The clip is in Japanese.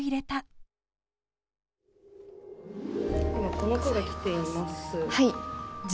この句が来ています。